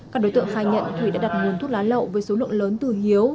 các đối tượng khai nhận thủy đã đặt nguồn thuốc lá lậu với số lượng lớn từ hiếu